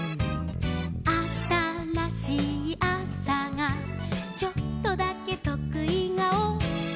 「あたらしいあさがちょっとだけとくい顔」